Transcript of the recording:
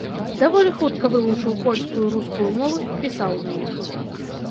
Даволі хутка вывучыў польскую і рускую мовы, пісаў на іх.